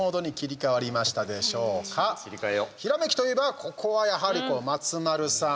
ひらめきといえばここはやはり松丸さん